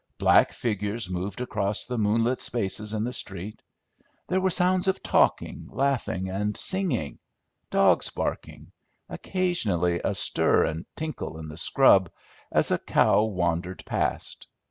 Black figures moved across the moonlit spaces in the street. There were sounds of talking, laughing, and singing; dogs barking; occasionally a stir and tinkle in the scrub, as a cow wandered past.